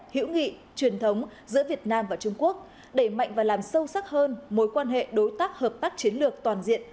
hữu nghị truyền thống giữa việt nam và trung quốc đẩy mạnh và làm sâu sắc hơn mối quan hệ đối tác hợp tác chiến lược toàn diện